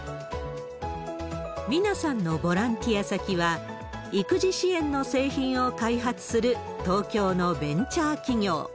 美奈さんのボランティア先は、育児支援の製品を開発する東京のベンチャー企業。